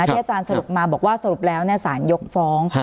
ที่อาจารย์สรุปมาบอกว่าสรุปแล้วสารยกฟ้อง